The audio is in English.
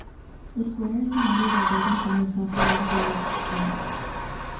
The square is surrounded by buildings from the Safavid era.